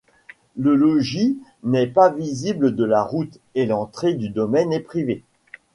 Le logis n’est pas visible de la route et l’entrée du domaine est privée.